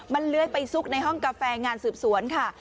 มันเลื้อยไปซุกในห้องกาแฟงานสืบสวนค่ะ